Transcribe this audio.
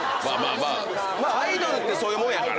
アイドルってそういうもんやから。